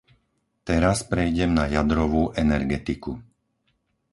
Teraz prejdem na jadrovú energetiku.